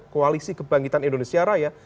koalisi kebangkitan indonesia raya